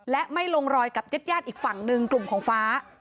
และไม่ลงรอยกับญาติญาติอีกฝั่งหนึ่งกลุ่มของฟ้า